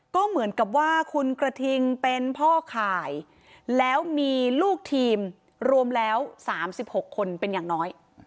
ก็เหมือนกับว่าคุณกระทิงเป็นพ่อข่ายแล้วมีลูกทีมรวมแล้ว๓๖คนเป็นอย่างน้อย